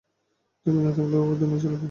তুমি না থাকলেও দুনিয়া চলবে।